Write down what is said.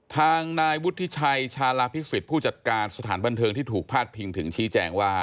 ทางนายวุฒิชัยชาลาพิสิทธิ์ผู้จัดการสถานบันเทิงที่ถูกพาดพิงถึงชี้แจงว่า